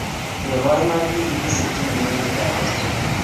Nebo Iman, kigisikchinin emetab Australia